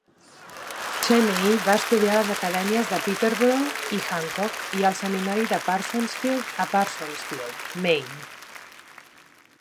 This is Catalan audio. Cheney va estudiar a les acadèmies de Peterborough i Hancock i al seminari de Parsonsfield a Parsonsfield, Maine.